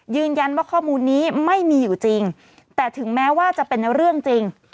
ยืนยันว่าข้อมูลนี้ไม่มีอยู่จริงแต่ถึงแม้ว่าจะเป็นเรื่องจริง